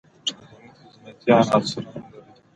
په جنت کي به جنيان آسونه هم لري